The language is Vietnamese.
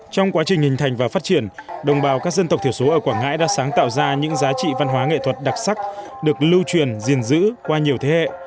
trong quá trình hình thành và phát triển đồng bào các dân tộc thiểu số ở quảng ngãi đã sáng tạo ra những giá trị văn hóa nghệ thuật đặc sắc được lưu truyền diên dữ qua nhiều thế hệ